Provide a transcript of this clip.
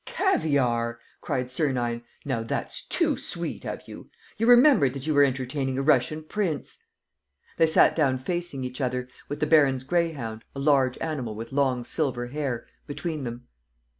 ..." "Caviare!" cried Sernine. "Now, that's too sweet of you. ... You remembered that you were entertaining a Russian prince!" They sat down facing each other, with the baron's greyhound, a large animal with long, silver hair, between them.